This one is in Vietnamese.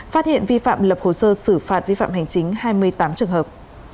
phát hiện vi phạm lập hồ sơ xử phạt vi phạm hành chính hai mươi tám trường hợp